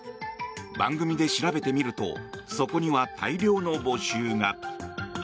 番組で調べてみるとそこには大量の募集が。